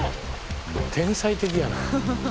天才的やな。